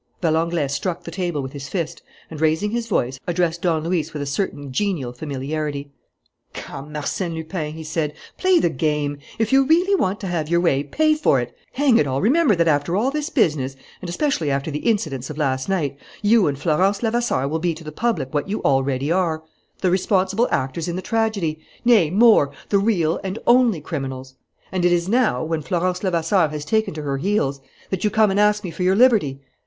Valenglay struck the table with his fist and, raising his voice, addressed Don Luis with a certain genial familiarity: "Come, Arsène Lupin," he said, "play the game! If you really want to have your way, pay for it! Hang it all, remember that after all this business, and especially after the incidents of last night, you and Florence Levasseur will be to the public what you already are: the responsible actors in the tragedy; nay, more, the real and only criminals. And it is now, when Florence Levasseur has taken to her heels, that you come and ask me for your liberty!